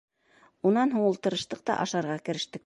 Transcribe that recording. Унан һуң ултырыштыҡ та ашарға керештек.